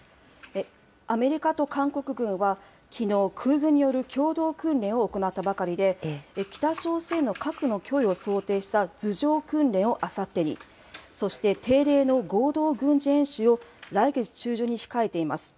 アメリカと韓国軍はきのう、空軍による共同訓練を行ったばかりで、北朝鮮の核の脅威を想定した図上訓練をあさってに、そして定例の合同軍事演習を来月中旬に控えています。